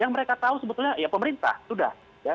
yang mereka tahu sebetulnya ya pemerintah sudah